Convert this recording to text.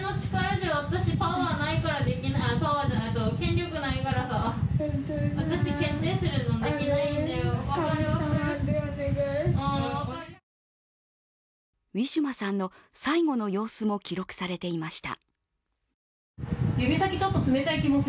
職員はウィシュマさんの最後の様子も記録されていました。